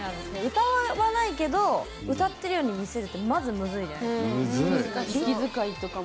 歌わないけど歌っているように見せるってまず、むずいじゃないですか。